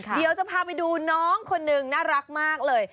เดี๋ยวจะพาไปดูน้องคนหนึ่งน่ารักมากเลย